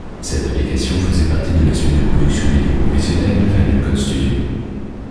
Cette application faisait partie de la suite de production vidéo professionnelle Final Cut Studio.